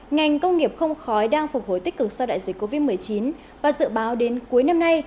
ngành công nghiệp không khói đang phục hồi tích cực sau đại dịch covid một mươi chín và dự báo đến cuối năm nay